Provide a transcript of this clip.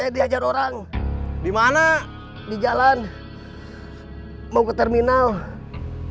terima kasih banyak terima kasih banyak terima kasih banyak saya di pajak inti jalan mau ke terminal terima kasih banyak